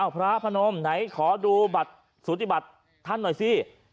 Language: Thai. พระพนมไหนขอดูบัตรสูติบัติท่านหน่อยสิ